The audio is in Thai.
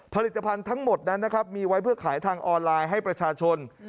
ผลิตภัณฑ์ทั้งหมดนั้นนะครับมีไว้เพื่อขายทางออนไลน์ให้ประชาชน